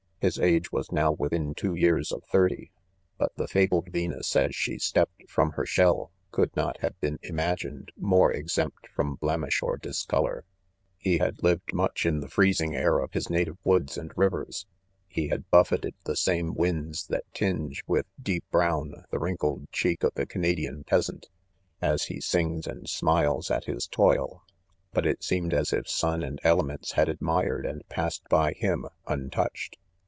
15 His age was now within two years of thir ty ; but the fabled Yen us, as she stepped from her shell, could not have been imagined more exempt from blemish or discolor. "He had lived much' in the freezing air of Ms native' woods and rivers | lie had buffered the' s¥me~wmdithaMin^ the wrinkled : cheek of t¥e"CanactiaB peasant," &s he sings and smiles ni his toil "5 but it "seem ed as if' sua ^and elements had admired and passed by Mm untouched.